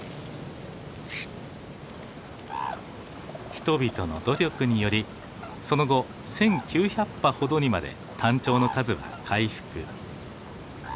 人々の努力によりその後１９００羽ほどにまでタンチョウの数は回復。